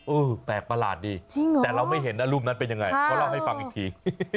แปลกประหลาดดีแต่เราไม่เห็นนะรูปนั้นเป็นยังไงเขาเล่าให้ฟังอีกที